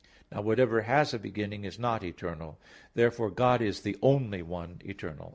Now whatever has a beginning, is not eternal. Therefore God is the only one eternal.